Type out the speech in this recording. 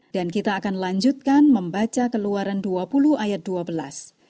dan kita akan lanjutkan membaca keluaran dua puluh ayat dua belas